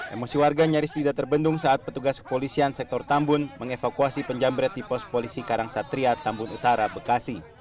emosi warga nyaris tidak terbendung saat petugas kepolisian sektor tambun mengevakuasi penjamret di pos polisi karangsatria tambun utara bekasi